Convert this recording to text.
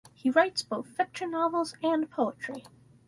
He writes both fiction novels and poetry.